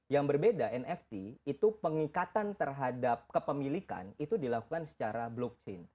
yang berbeda nft itu pengikatan terhadap kepemilikan itu dilakukan secara blockchain